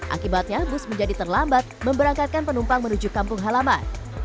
akibatnya bus menjadi terlambat memberangkatkan penumpang menuju kampung halaman